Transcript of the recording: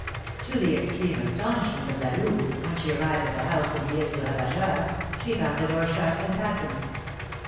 To the extreme astonishment of La Louve, when she arrived at the house in the Isle du Ravageur, she found the door shut and fastened.